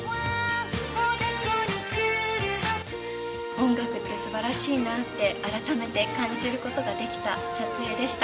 音楽ってすばらしいなって、改めて感じることができた撮影でした。